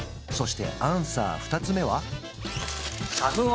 そしてアンサー２つ目は？